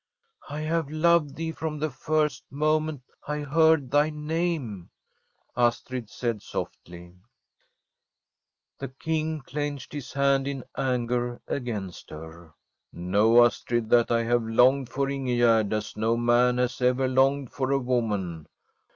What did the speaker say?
' I have loved thee from the first moment I heard thy name,' Astrid said softly. The King clenched his hand in anger against her. ' Know, Astrid, that I have longed for In gegerd as no man has ever longed for woman.